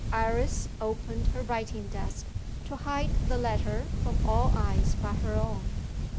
Iris opened her writing desk, to hide the letter from all eyes but her own.